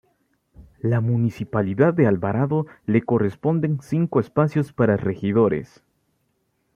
La municipalidad de Alvarado le corresponden cinco espacios para regidores.